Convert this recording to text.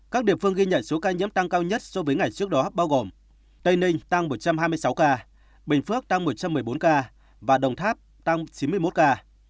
các địa phương ghi nhận số ca nhiễm tăng cao nhất so với ngày trước đó bao gồm tây ninh tăng một trăm hai mươi sáu ca bình phước tăng một trăm một mươi bốn ca và đồng tháp tăng chín mươi một ca